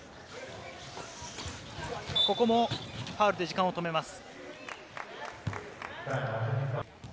ここもファウルで時間を止めます。